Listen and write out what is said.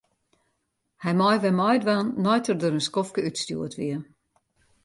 Hy mei wer meidwaan nei't er der in skoftke útstjoerd wie.